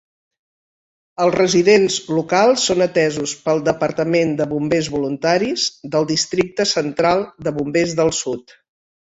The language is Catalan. Els residents locals són atesos pel departament de bombers voluntaris del Districte Central de Bombers del Sud.